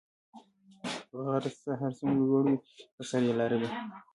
غر څه هر څومره لوړ وی په سر ئي لاره وی